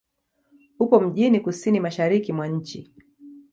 Upo mjini kusini-mashariki mwa nchi.